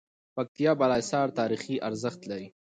پکتيا بالاحصار تاريخي ارزښت لری